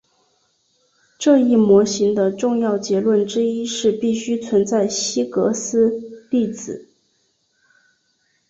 这一模型的重要结论之一是必须存在希格斯粒子。